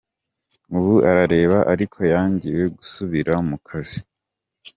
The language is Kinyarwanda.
Ubu arareba ariko yangiwe gusubira mu kazi.